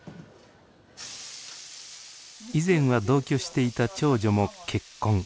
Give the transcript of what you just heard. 以前は同居していた長女も結婚。